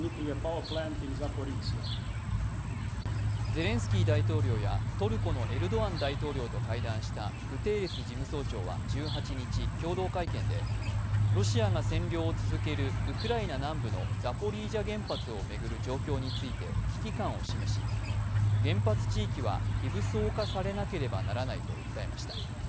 ゼレンスキー大統領やトルコのエルドアン大統領と会談したグテーレス事務総長は１８日、共同会見でロシアが占領を続けるウクライナ南部のザポリージャ原発を巡る状況について危機感を示し原発地域は非武装化されなければならないと訴えました。